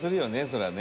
そりゃね」